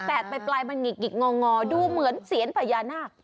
แตกไปปลายมันหงิกงอดูเหมือนเสียนประยานาค